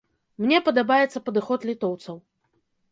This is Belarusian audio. Мне падабаецца падыход літоўцаў.